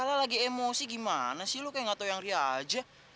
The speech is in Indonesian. malah lagi emosi gimana sih lu kayak nggak tau eang ria aja